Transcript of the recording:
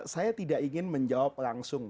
saya tidak ingin menjawab langsung